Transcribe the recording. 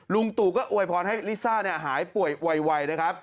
ตู่ก็อวยพรให้ลิซ่าหายป่วยไวนะครับ